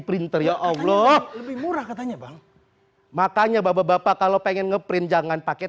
printer ya allah lebih murah katanya bang makanya bapak bapak kalau pengen nge print jangan pakai